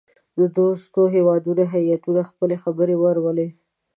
د دوستو هیوادو هیاتونو خپلي خبرې واورلې.